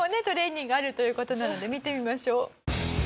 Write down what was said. トレーニングあるという事なので見てみましょう。